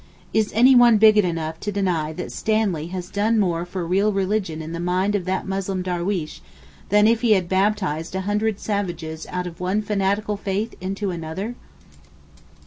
Is any one bigot enough to deny that Stanley has done more for real religion in the mind of that Muslim darweesh than if he had baptised a hundred savages out of one fanatical faith into another?